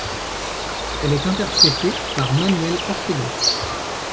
Elle est interprétée par Manuel Ortega.